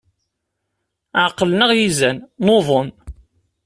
Ɛeqlen-aɣ yizan, nuḍen.